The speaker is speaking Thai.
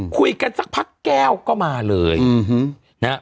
คุยกันสักพักแก้วก็มาเลยนะฮะ